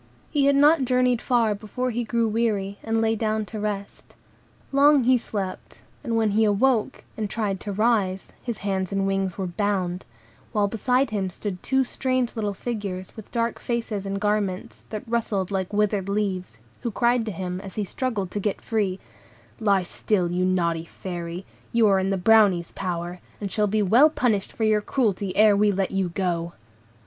He had not journeyed far before he grew weary, and lay down to rest. Long he slept, and when he awoke, and tried to rise, his hands and wings were bound; while beside him stood two strange little figures, with dark faces and garments, that rustled like withered leaves; who cried to him, as he struggled to get free,— "Lie still, you naughty Fairy, you are in the Brownies' power, and shall be well punished for your cruelty ere we let you go."